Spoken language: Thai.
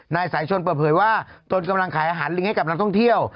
นายสายชนเปิดเผยว่าตนกำลังขายอาหารลิงให้กับนักท่องเที่ยว